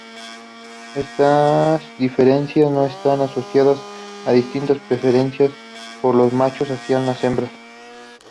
Estas diferencias no están asociadas a distintas preferencias por los machos hacia las hembras